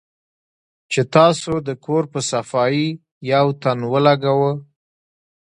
چې تاسو د کور پۀ صفائي يو تن ولګوۀ